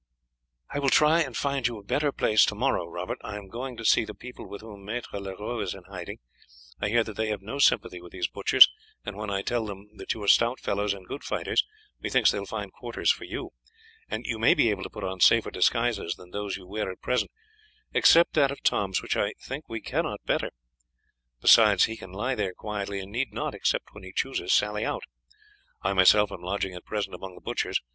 "I will try and find you a better place to morrow, Robert. I am going to see the people with whom Maître Leroux is in hiding. I hear that they have no sympathy with these butchers, and when I tell them that you are stout fellows and good fighters methinks they will find quarters for you; and you may be able to put on safer disguises than those you wear at present, except that of Tom's, which I think we cannot better. Besides, he can lie there quietly, and need not, except when he chooses, sally out. I myself am lodging at present among the butchers.